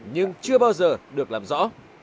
nhưng chưa bao giờ được làm rõ